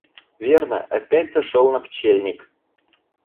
Верно, опять зашел на пчельник.